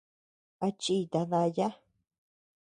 A chíita daya.